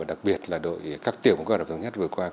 đặc biệt là các tiểu của công lộc bộ hà nội vừa qua